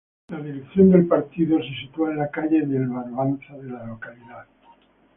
La dirección del partido se sitúa en la Calle del Barbanza de la localidad.